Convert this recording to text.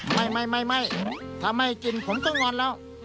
ไม่ถ้าไม่กินผมทั้งวันแล้ว